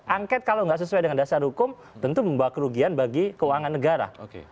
angket kalau nggak sesuai dengan dasar hukum tentu membawa kerugian bagi keuangan negara